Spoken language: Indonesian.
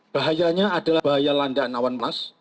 bahayanya adalah bahaya landaan awan mas